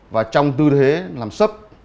và trong tư thế làm sấp